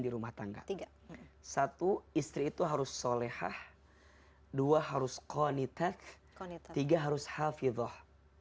di rumah tangga tiga satu istri itu harus solehah dua harus konitak konite tiga harus hafidzah